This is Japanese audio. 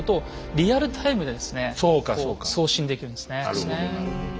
なるほどなるほど。